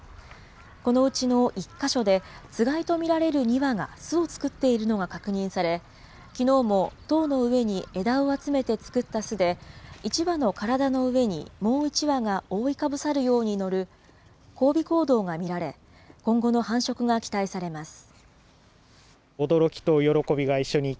このうちの１か所で、つがいと見られる２羽が巣を作っているのが確認され、きのうも塔の上に枝を集めて作った巣で、１羽の体の上にもう１羽が覆いかぶさるように乗る交尾行動が見られ、今後の繁殖が期待されます。